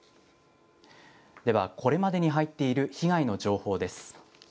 では、これまでに入っている被害の情報です。